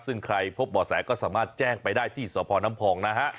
ซึ่งใครพบบ่อแสก็สามารถแจ้งไปได้ที่สพน้ำพองนะฮะ